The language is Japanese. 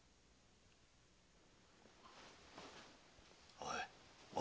おい。